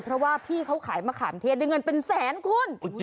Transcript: เพราะว่าพี่เขาขายมะขามเทศด้วยเงินเป็นแสนคุณ